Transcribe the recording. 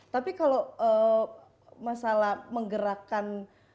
tapi kalau masalah menggerakkan